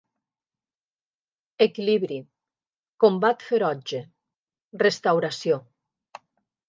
Equilibri, Combat Ferotge, Restauració.